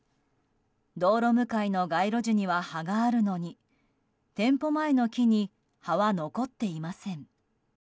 道路向かいの街路樹には葉があるのに店舗前の木に葉は残っていません。